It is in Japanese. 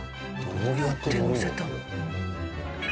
どうやって載せたの？